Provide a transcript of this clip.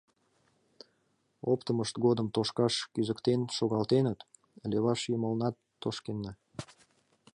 Оптымышт годым тошкаш кӱзыктен шогалтеныт, леваш йымалнат тошкенна.